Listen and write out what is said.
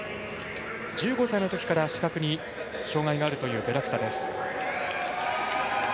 １５歳のときから視覚に障がいがあるというベラクサです。